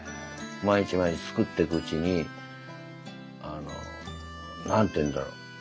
毎日毎日作ってくうちにあの何て言うんだろう